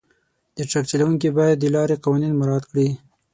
د ټرک چلونکي باید د لارې قوانین مراعات کړي.